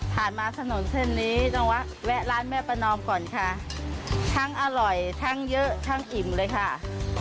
มาถนนเส้นนี้ต้องแวะแวะร้านแม่ประนอมก่อนค่ะทั้งอร่อยทั้งเยอะทั้งอิ่มเลยค่ะ